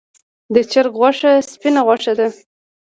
د چرګ غوښه سپینه غوښه ده